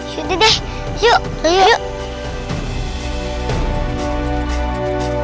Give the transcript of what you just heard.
sudah deh yuk yuk yuk